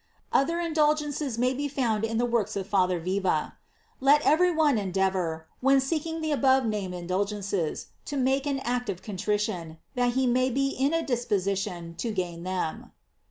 Other indulgences may be found in the* works of Father Viva.* Let every one endeavor, when seeking the above named indul gences, to make an act of contrition, that he may be in a disposition to gain them.